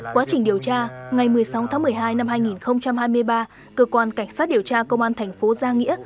quá trình điều tra ngày một mươi sáu tháng một mươi hai năm hai nghìn hai mươi ba cơ quan cảnh sát điều tra công an thành phố giang nghĩa